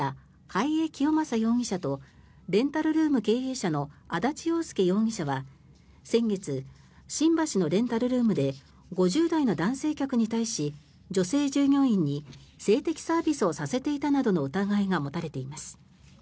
貝江清正容疑者とレンタルルーム経営者の安達洋介容疑者は新橋のレンタルルームで５０代の男性客に対し女性従業員に性的サービスをさせていたなどの疑いが持たれています。